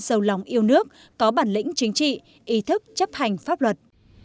giàu lòng yêu nước có bản lĩnh chính trị ý thức chấp hành pháp luật